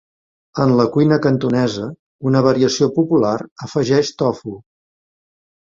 En la cuina cantonesa, una variació popular afegeix tofu.